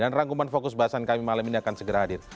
dan rangkuman fokus bahasan kami malam ini akan segera hadir